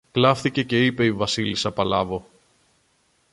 κλαύθηκε και είπε η Βασίλισσα Παλάβω.